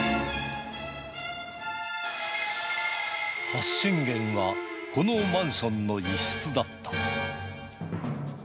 発信源はこのマンションの一室だった。